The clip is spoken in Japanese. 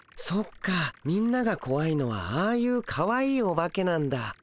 そっかみんながこわいのはああいうかわいいオバケなんだ。